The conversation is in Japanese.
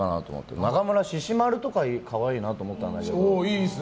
中村獅子丸とか可愛いなと思ったんですけど。